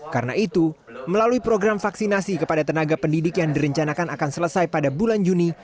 karena itu melalui program vaksinasi kepada tenaga pendidik yang direncanakan akan selesai pada bulan juni